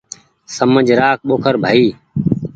سمجه رآک ٻوکر ڀآئي